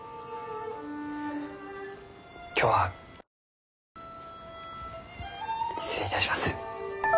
・今日は失礼いたします。